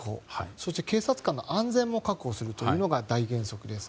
そして警察官の安全も確保するのが大原則です。